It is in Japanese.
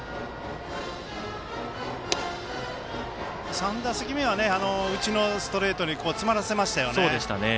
３打席目は内寄りのストレートに詰まらせましたよね。